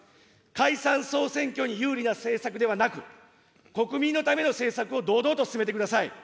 解散・総選挙に有利な政策ではなく、国民のための政策を堂々と進めてください。